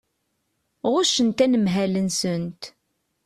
Ɣuccent anemhal-nsent.